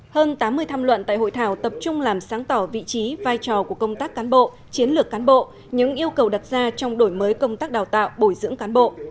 hơn tám mươi tham luận tại hội thảo tập trung làm sáng tỏ vị trí vai trò của công tác cán bộ chiến lược cán bộ những yêu cầu đặt ra trong đổi mới công tác đào tạo bồi dưỡng cán bộ